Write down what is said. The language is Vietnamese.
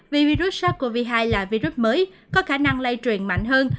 vì virus sars cov hai là virus mới có khả năng lây truyền mạnh hơn